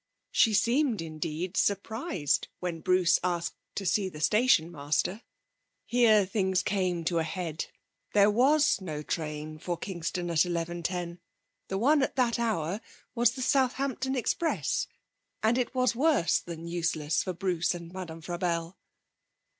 She seemed, indeed, surprised when Bruce asked to see the station master. Here things came to a head. There was no train for Kingston at 11.10; the one at that hour was the Southampton Express; and it was worse than useless for Bruce and Madame Frabelle.